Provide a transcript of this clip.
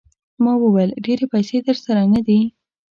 ما وویل ډېرې پیسې درسره نه دي.